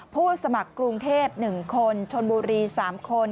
ผู้สมัครกรุงเทพ๑คนชนบุรี๓คน